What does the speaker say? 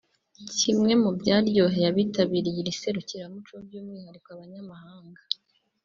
Kimwe mu byaryoheye abitabiriye iri serukiramuco by’umwihariko abanyamahanga